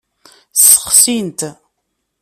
Ssexsin-t.